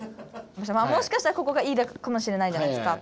もしかしたらここが「ｅ」かもしれないじゃないですか。